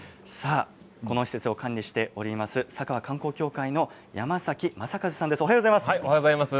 この施設を管理しておりますさかわ観光協会の山崎正和さんです。